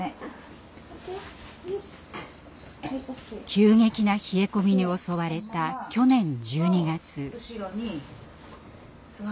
急激な冷え込みに襲われた去年１２月。